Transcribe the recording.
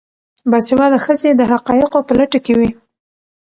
باسواده ښځې د حقایقو په لټه کې وي.